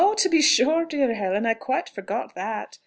To be sure, dear Helen.... I quite forgot that.